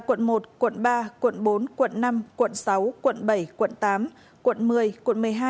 quận một quận ba quận bốn quận năm quận sáu quận bảy quận tám quận một mươi quận một mươi hai